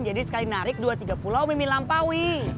jadi sekali narik dua tiga pulau mimin lampaui